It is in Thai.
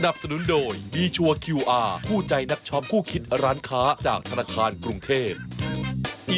โปรดติดตามตอนต่อไป